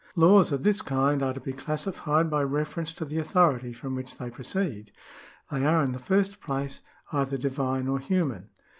Laws of this kind are to be classified by reference to the authority from which they proceed. They are in the first place either divine or human.